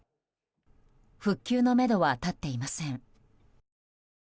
復旧のめどは立っていません。